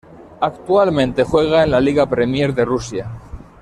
Actualmente juega en la Liga Premier de Rusia.